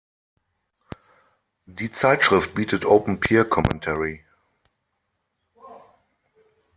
Die Zeitschrift bietet open peer commentary.